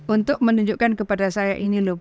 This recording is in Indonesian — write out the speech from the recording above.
untuk menunjukkan kepada saya ini loh